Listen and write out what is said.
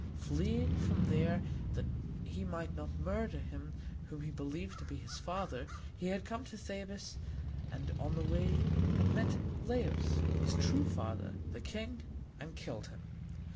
Fleeing from there that he might not murder him whom he believed to be his father, he had come to Thebes, and on the way had met Laius, his true father, the king, and killed him.